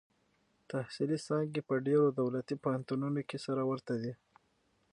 تحصیلي څانګې په ډېرو دولتي پوهنتونونو کې سره ورته دي.